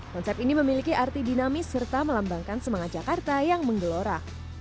konsep ini memiliki arti dinamis serta melambangkan semangat jakarta yang menggelora